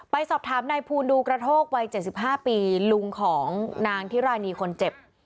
ไปสอบถามนายภูลดูกระโทกวัย๗๕ปีลุงของนางทิรานีคนเจ็บ